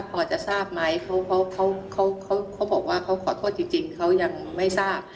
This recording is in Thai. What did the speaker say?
พอจะทราบไหมเขาบอกว่าเขาขอโทษจริงเขายังไม่ทราบ